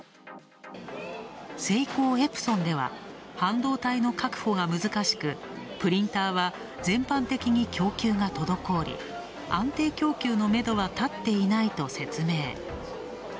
セイコーエプソンでは、半導体の確保が難しく、プリンターは全般的に供給が滞り、安定供給のめどは立っていないと説明。